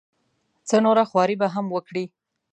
څه نوره خواري به هم وکړي.